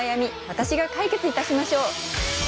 私が解決いたしましょう！